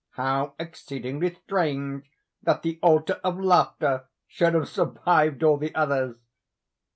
How exceedingly strange that the altar of Laughter should have survived all the others!